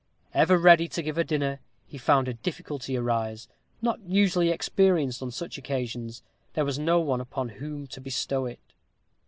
Ever ready to give a dinner, he found a difficulty arise, not usually experienced on such occasions there was no one upon whom to bestow it.